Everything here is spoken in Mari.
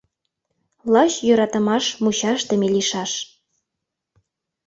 Лач йӧратымаш мучашдыме лийшаш.